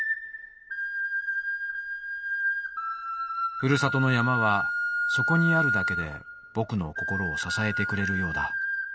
「ふるさとの山はそこにあるだけでぼくの心をささえてくれるようだ。